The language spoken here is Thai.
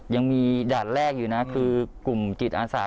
ยังมีด่านแรกอยู่นะคือกลุ่มจิตอาสา